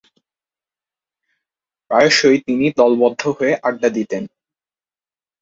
প্রায়শঃই তিনি দলবদ্ধ হয়ে আড্ডা দিতেন।